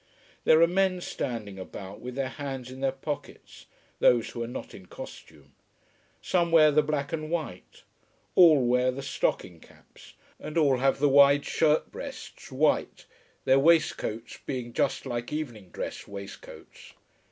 There are men standing about, with their hands in their pockets, those who are not in costume. Some wear the black and white. All wear the stocking caps. And all have the wide shirt breasts, white, their waistcoats being just like evening dress waistcoats.